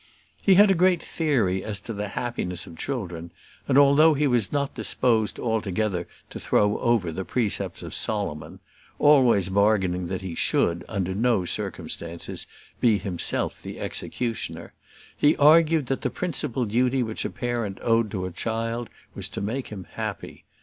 He had a great theory as to the happiness of children; and though he was not disposed altogether to throw over the precepts of Solomon always bargaining that he should, under no circumstances, be himself the executioner he argued that the principal duty which a parent owed to a child was to make him happy.